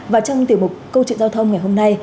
và trong tiểu mục công truyện giao thông ngày hôm nay